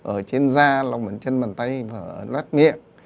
ở trên da lòng ẩn chân bàn tay và lát miệng